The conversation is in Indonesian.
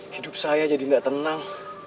hidup saya jadi tidak tenang